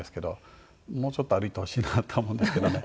もうちょっと歩いてほしいなって思うんですけどね。